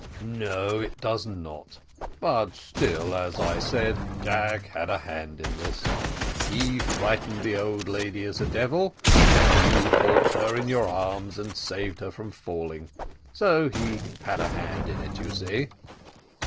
"No, it does not; but still, as I said, Jack had a hand in this. He frightened the old lady as a devil, and you caught her in your arms and saved her from falling, so he had a hand in it, you see."